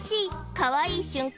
かわいい瞬間